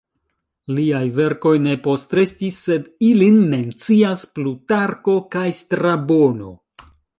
Liaj verkoj ne postrestis, sed ilin mencias Plutarko kaj Strabono.